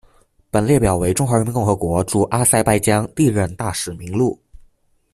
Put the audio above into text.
本列表为中华人民共和国驻阿塞拜疆历任大使名录。